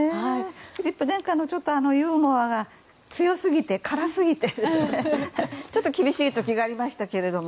フィリップ殿下もちょっと、ユーモアが強すぎて辛すぎて、ちょっと厳しい時がありましたが。